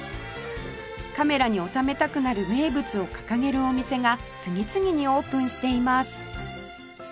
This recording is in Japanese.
カメラに収めたくなる名物を掲げるお店が次々にオープンしています